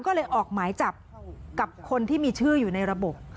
ก็เลยออกหมายจับกับคนที่มีชื่ออยู่ในระบบ